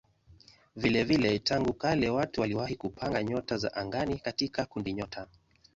Vilevile tangu kale watu waliwahi kupanga nyota za angani katika kundinyota.